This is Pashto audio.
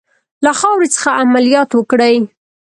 له خاورې څخه عملیات وکړي.